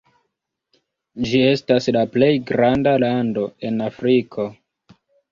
Ĝi estas la plej granda lando en Afriko.